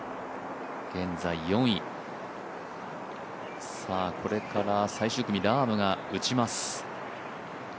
現在４位、これから最終組、ラームが打ちます。